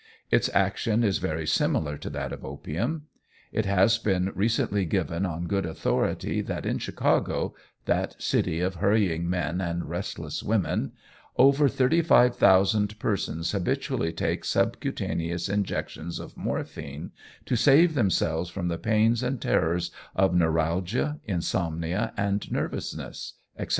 Its action is very similar to that of opium. It has been recently given on good authority, that in Chicago that city of hurrying men and restless women over thirty five thousand persons habitually take subcutaneous injections of morphine to save themselves from the pains and terrors of neuralgia, insomnia, and nervousness, etc.